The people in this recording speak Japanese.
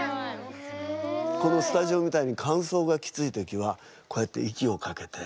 このスタジオみたいにかんそうがきつい時はこうやって息をかけて。